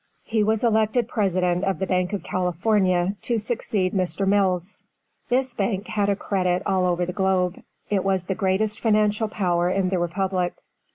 He was elected President of the Bank of California, to succeed Mr. Mills. This bank had a credit all over the globe. It was the greatest financial power in the Republic.